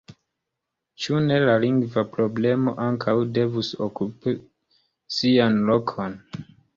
Ĉu ne la lingva problemo ankaŭ devus okupi sian lokon?